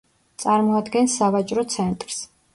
წარმოადგენს სავაჭრო ცენტრს.